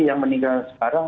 yang meninggal sekarang